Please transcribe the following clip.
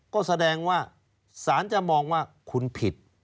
ก็แสดงว่าสารจะมองว่าคุณผิด